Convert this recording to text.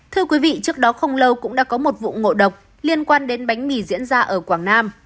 thưa quý vị trước đó không lâu cũng đã có một vụ ngộ độc liên quan đến bánh mì diễn ra ở quảng nam